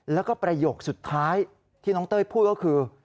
แล้วก็ประโยคสุดท้ายที่น้องเต้ยพูดก็คือ